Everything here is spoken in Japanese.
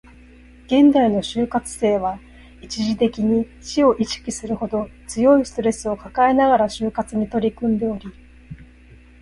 現代の就活生は、一時的に死を意識するほど強いストレスを抱えながら就活に取り組んでおり